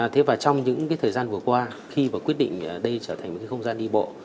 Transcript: thế và trong những thời gian vừa qua khi mà quyết định đây trở thành một cái không gian đi bộ